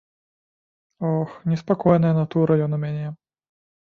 Ох, неспакойная натура ён у мяне!